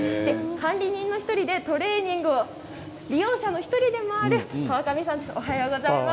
管理人の１人でトレーニング利用者の１人でもある川上さんです。